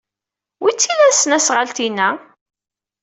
Wi tt-ilan tesnasɣalt-inna?